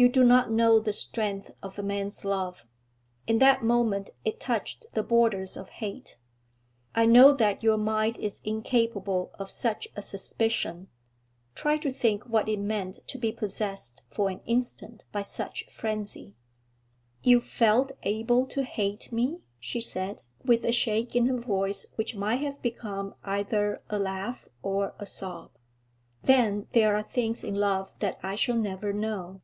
'You do not know the strength of a man's love. In that moment it touched the borders of hate. I know that your mind is incapable of such a suspicion; try to think what it meant to be possessed for an instant by such frenzy.' 'You felt able to hate me?' she said, with a shake in her voice which might have become either a laugh or a sob. 'Then there are things in love that I shall never know.'